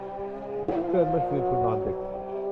เพื่อน เมื่อคืนคุณนอนดึก